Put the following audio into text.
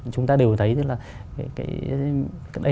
chúng ta đều thấy là